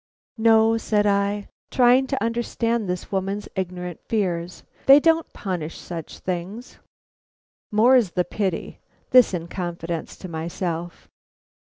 "No," said I, trying to understand this woman's ignorant fears, "they don't punish such things. More's the pity!" this in confidence to myself.